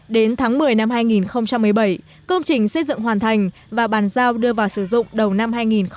đến tháng một mươi năm hai nghìn một mươi bảy công trình xây dựng hoàn thành và bàn giao đưa vào sử dụng đầu năm hai nghìn một mươi bảy